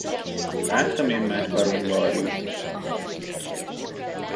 Láttam én már karón varjút.